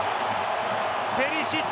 ペリシッチ。